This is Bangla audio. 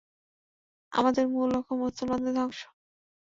আমাদের মূল লক্ষ্য মুসলমানদের ধ্বংস।